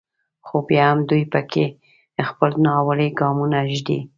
خو بیا هم دوی په کې خپل ناولي ګامونه ږدي.